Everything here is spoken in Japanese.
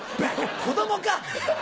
子供か！